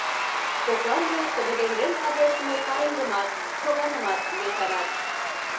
Кокланже тыгыдемден падыштыме пареҥгымат, шоганымат ешарат.